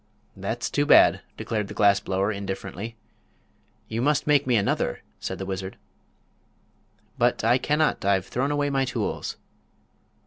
"That's too bad," declared the glass blower, indifferently. "You must make me another," said the wizard. "But I cannot; I've thrown away my tools."